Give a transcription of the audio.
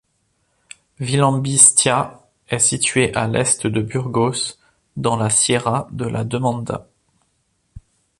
Villambistia est située à l’est de Burgos, dans la Sierra de la Demanda.